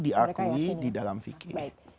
diakui di dalam fikir